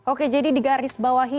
oke jadi digarisbawahi